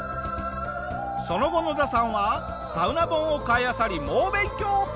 その後ノダさんはサウナ本を買いあさり猛勉強！